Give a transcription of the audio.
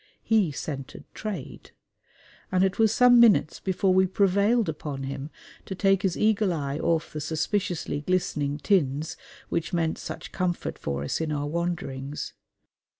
He scented trade; and it was some minutes before we prevailed upon him to take his eagle eye off the suspiciously glistening tins which meant such comfort for us in our wanderings.